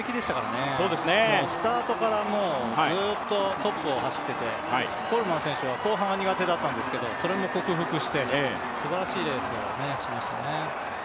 もうスタートからずっとトップを走っててコールマン選手は後半が苦手だったんですけどそれも克服して、すばらしいレースをしましたね。